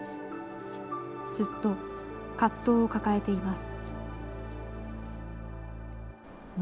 ずっと葛藤を抱えています。